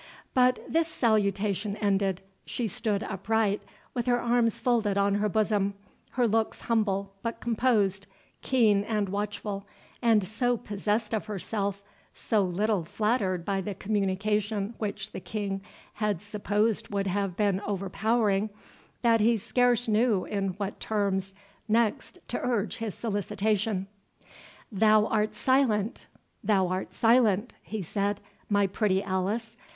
But this salutation ended, she stood upright, with her arms folded on her bosom—her looks humble, but composed, keen, and watchful, and so possessed of herself, so little flattered by the communication which the King had supposed would have been overpowering, that he scarce knew in what terms next to urge his solicitation. "Thou art silent—thou art silent," he said, "my pretty Alice.